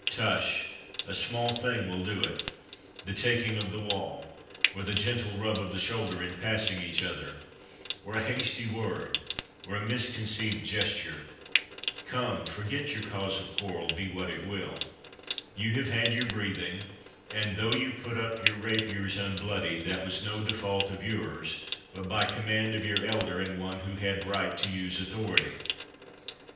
—Tush! a small thing will do it—the taking of the wall—or the gentle rub of the shoulder in passing each other, or a hasty word, or a misconceived gesture—Come, forget your cause of quarrel, be what it will—you have had your breathing, and though you put up your rapiers unbloodied, that was no default of yours, but by command of your elder, and one who had right to use authority.